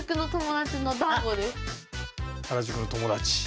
原宿の友達。